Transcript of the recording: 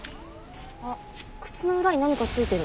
あっ靴の裏に何か付いてる。